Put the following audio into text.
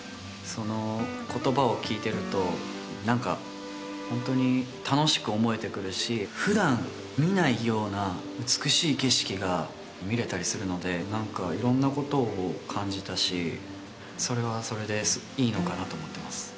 その言葉を聞いてると何かホントに楽しく思えてくるし普段見ないような美しい景色が見れたりするので何か色んなことを感じたしそれはそれでいいのかなと思ってます